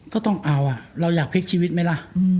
ก็ต้องเอาเราอยากพลิกชีวิตไหมล่ะ